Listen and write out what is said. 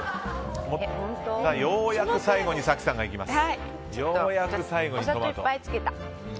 ようやく最後に早紀さんがいきます。